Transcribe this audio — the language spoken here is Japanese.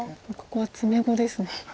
ここは詰碁ですね。